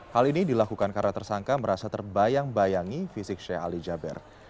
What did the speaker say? hal ini dilakukan karena tersangka merasa terbayang bayangi fisik sheikh ali jaber